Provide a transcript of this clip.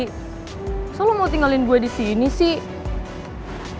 kenapa lo mau tinggalin gue disini sih